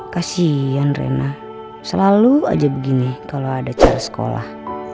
kasian rena selalu aja begini kalau ada cara sekolah